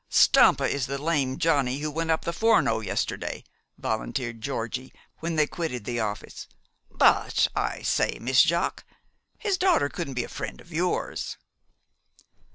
"Stampa is the lame Johnny who went up the Forno yesterday," volunteered Georgie, when they quitted the office. "But, I say, Miss Jaques, his daughter couldn't be a friend of yours?"